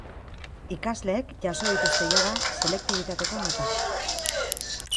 Ikasleek jaso dituzte jada selektibitateko notak.